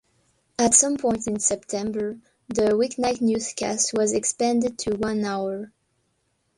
At some point in September, the weeknight newscast was expanded to one hour.